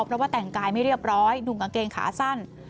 เพราะว่าแต่งกายไม่เรียบร้อยหนุ่มกางเกงขาสั้น